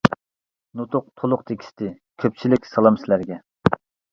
نۇتۇق تولۇق تېكىستى: كۆپچىلىك سالام سىلەرگە!